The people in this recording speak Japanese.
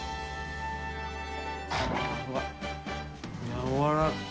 やわらかい。